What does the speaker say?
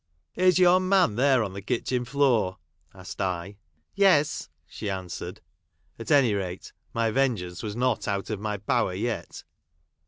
" Is yon man there, on the kitchen floor ?" asked I. " Yes !" she answered. At any rate, my vengeance was not out of my power yet.